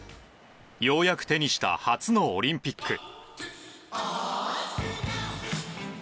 ようやく手にした初のオリンピック。